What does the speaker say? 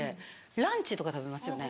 ランチとか食べますよね